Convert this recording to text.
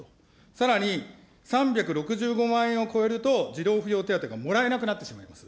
さらに３６５万円を超えると児童扶養手当がもらえなくなってしまいます。